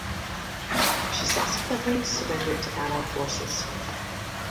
She subsequently surrendered to Allied forces.